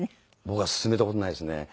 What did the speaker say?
僕は勧めた事ないですね。